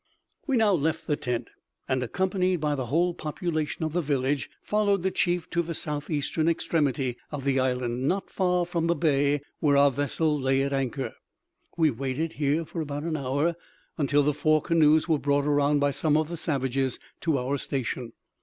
We now left the tent, and, accompanied by the whole population of the village, followed the chief to the southeastern extremity of the island, nor far from the bay where our vessel lay at anchor. We waited here for about an hour, until the four canoes were brought around by some of the savages to our station.